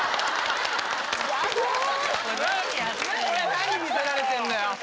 何見せられてんだよ！